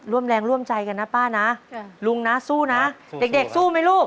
ร่วมแรงร่วมใจกันนะป้านะลุงนะสู้นะเด็กสู้ไหมลูก